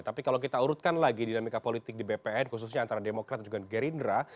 tapi kalau kita urutkan lagi dinamika politik di bpn khususnya antara demokrat dan juga gerindra